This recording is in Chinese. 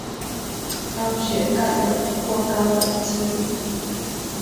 高血钙过高的疾病。